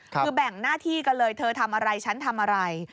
คือแบ่งหน้าที่กันเลยเธอทำอะไรฉันทำอะไร